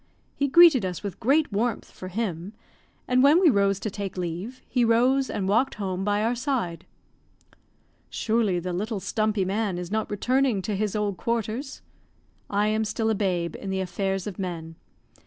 He greeted us with great warmth for him, and when we rose to take leave, he rose and walked home by our side. "Surely the little stumpy man is not returning to his old quarters?" I am still a babe in the affairs of men.